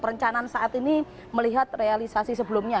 perencanaan saat ini melihat realisasi sebelumnya